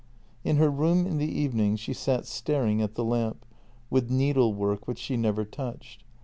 In her room in the evenings she sat staring at the lamp — with needlework which she never touched.